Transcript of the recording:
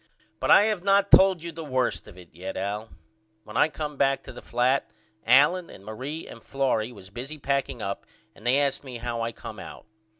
But I have not told you the worst of it yet Al. When I come back to the flat Allen and Marie and Florrie was busy packing up and they asked me how I come out.